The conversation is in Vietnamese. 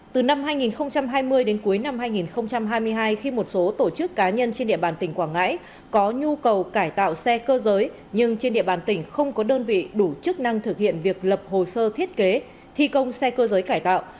từ năm hai nghìn hai mươi đến cuối năm hai nghìn hai mươi hai khi một số tổ chức cá nhân trên địa bàn tỉnh quảng ngãi có nhu cầu cải tạo xe cơ giới nhưng trên địa bàn tỉnh không có đơn vị đủ chức năng thực hiện việc lập hồ sơ thiết kế thi công xe cơ giới cải tạo